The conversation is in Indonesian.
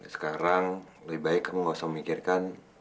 sekarang lebih baik kamu gak usah mikirkan